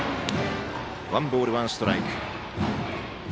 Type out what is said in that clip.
ワンボール、ワンストライク。